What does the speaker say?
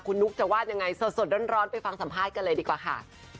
คุณนุ๊กจะว่ายังไงสดร้อนไปฟังสัมภาษณ์กันเลยดีกว่าค่ะ